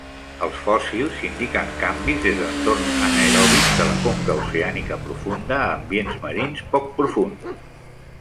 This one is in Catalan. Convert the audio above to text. Els fòssils indiquen canvis des d'entorns anaeròbics, de la conca oceànica profunda a ambients marins poc profunds.